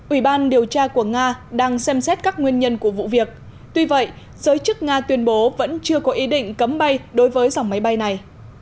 ủy ban điều tra của nga đang xem xét các nguyên nhân của vụ việc tuy vậy giới chức nga tuyên bố vẫn chưa có ý định cấm bay đối với dòng máy bay này